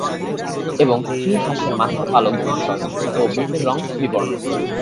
এবং স্ত্রী হাঁসের মাথার পালক ধূসর ও বুকের রং বিবর্ণ।